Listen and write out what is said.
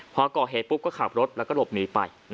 พูดจากใจพูดจากใจคลับรถแล้วลบหนีไป